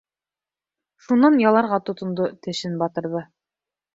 Шунан яларға тотондо, тешен батырҙы.